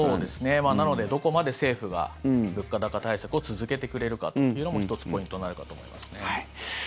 なので、どこまで政府が物価高対策を続けてくれるかっていうのも１つポイントになるかと思いますね。